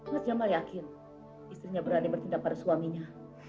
mas jamal yakin istrinya berani bertindak pada suaminya